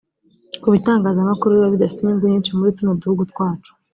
Ku bitangazamakuru biba bidafite inyungu nyinshi muri tuno duhugu twacu